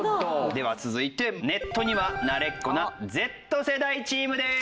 では続いてネットには慣れっこなＺ世代チームです。